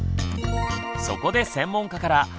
そこで専門家から